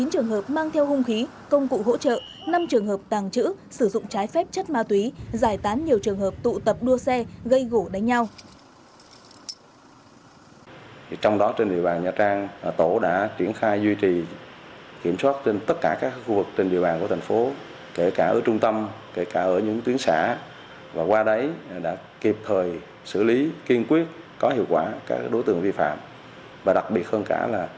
một mươi chín trường hợp mang theo hung khí công cụ hỗ trợ năm trường hợp tàng trữ sử dụng trái phép trật tự an toàn giao thông